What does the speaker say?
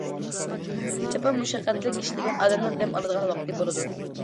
جاپا- مۇشەققەتلىك ئىشلىگەن ئادەمنىڭ دەم ئالىدىغان ۋاقتى بولىدۇ.